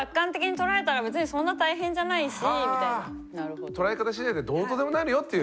捉え方しだいでどうとでもなるよっていう。